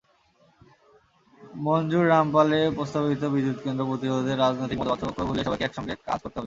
মঞ্জুররামপালে প্রস্তাবিত বিদ্যুৎকেন্দ্র প্রতিরোধে রাজনৈতিক মতপার্থক্য ভুলে সবাইকে একসঙ্গে কাজ করতে হবে।